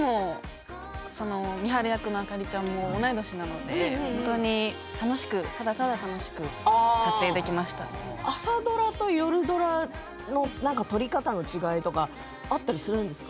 美晴役のあかりちゃんも同い年なので本当に楽しく朝ドラは夜ドラの撮り方の違いとかあったりするんですか。